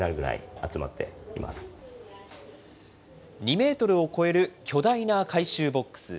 ２メートルを超える巨大な回収ボックス。